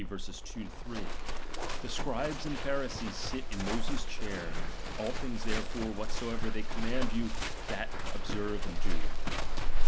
2 3) : The Scribes and Pharisees sit ^H in Moses' ckair ; all things therefore whatsoever ^H they command you, that observe and do.